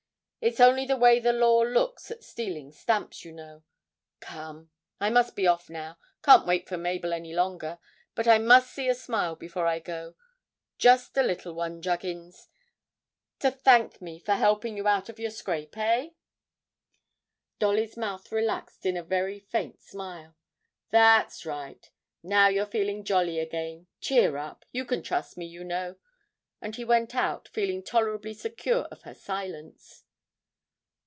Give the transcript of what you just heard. It's only the way the law looks at stealing stamps, you know. Come, I must be off now; can't wait for Mabel any longer. But I must see a smile before I go just a little one, Juggins to thank me for helping you out of your scrape, eh?' (Dolly's mouth relaxed in a very faint smile.) 'That's right now you're feeling jolly again; cheer up, you can trust me, you know.' And he went out, feeling tolerably secure of her silence.